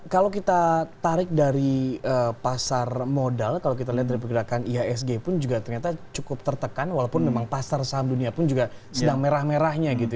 kalau kita tarik dari pasar modal kalau kita lihat dari pergerakan ihsg pun juga ternyata cukup tertekan walaupun memang pasar saham dunia pun juga sedang merah merahnya gitu